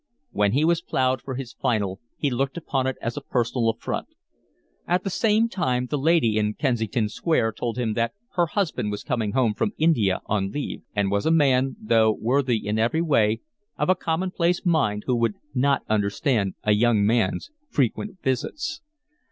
When he was ploughed for his final he looked upon it as a personal affront. At the same time the lady in Kensington Square told him that her husband was coming home from India on leave, and was a man, though worthy in every way, of a commonplace mind, who would not understand a young man's frequent visits.